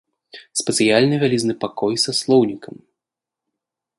Спецыяльны вялізны пакой са слоўнікам.